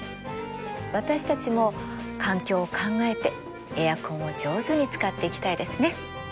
私たちも環境を考えてエアコンを上手に使っていきたいですね。